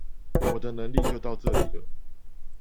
我的能力就到這裡了